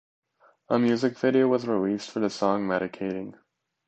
A music video was released for the song "Medicating".